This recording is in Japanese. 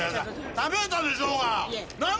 食べたでしょうが！